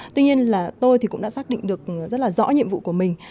tuy nhiên là tôi thì cũng đã xác định được rất là rõ nhiệm vụ của mình